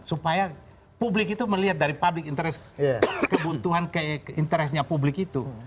supaya publik itu melihat dari public interest kebutuhan ke interestnya publik itu